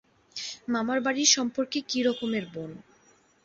মামার বাড়ীর সম্পর্কে কি রকমের বোন।